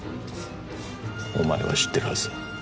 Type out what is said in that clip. お前は知ってるはずだ。